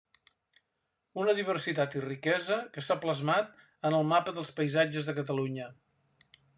Una diversitat i riquesa que s’ha plasmat en el Mapa dels paisatges de Catalunya.